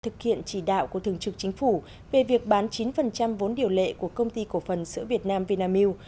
thực hiện chỉ đạo của thường trực chính phủ về việc bán chín vốn điều lệ của công ty cổ phần sữa việt nam vinamilk